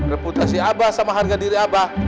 reputasi abah sama harga diri abah